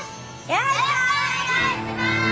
よろしくお願いします！